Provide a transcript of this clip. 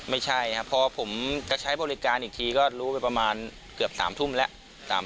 ไม่ใช่ครับพอผมจะใช้บริการอีกทีก็รู้ไปประมาณเกือบ๓ทุ่มแล้ว